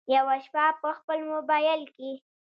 یوه شپه په خپل مبایل کې